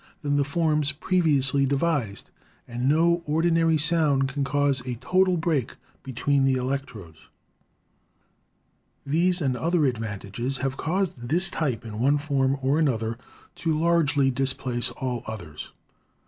than the forms previously devised, and no ordinary sound can cause a total break between the electrodes. These and other advantages have caused this type in one form or another to largely displace all others.